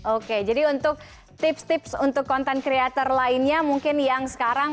oke jadi untuk tips tips untuk content creator lainnya mungkin yang sekarang